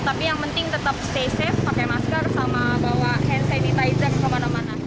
tapi yang penting tetap stay safe pakai masker sama bawa hand sanitizer kemana mana